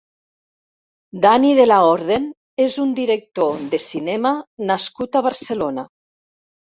Dani de la Orden és un director de cinema nascut a Barcelona.